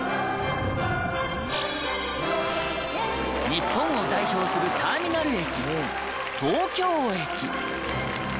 日本を代表するターミナル駅東京駅。